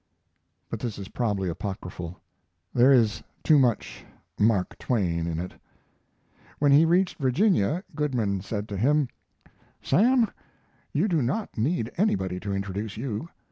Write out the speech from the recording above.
But this is probably apocryphal; there is too much "Mark Twain" in it. When he reached Virginia, Goodman said to him: "Sam, you do not need anybody to introduce you.